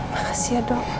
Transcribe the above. makasih ya dok